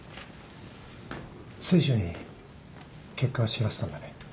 清舟に結果は知らせたんだね？